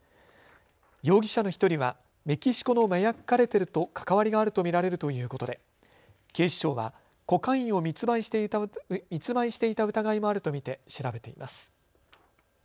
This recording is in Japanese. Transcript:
容疑者の１人はメキシコの麻薬カルテルと関わりがあると見られるということで警視庁はコカインを密売していた疑いもあると見て調べています。